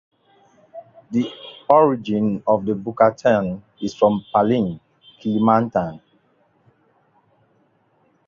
The origin of the Bukitan is from Palin, Kalimantan.